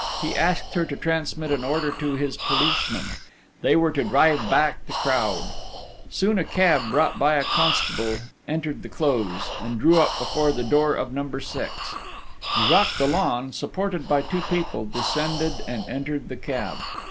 He asked her to transmit an order to his policemen: they were to drive back the crowd. Soon a cab brought by a constable entered the Close, and drew up before the door of Number 6. Jacques Dollon, supported by two people, descended and entered the cab.